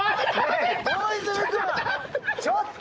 ちょっと！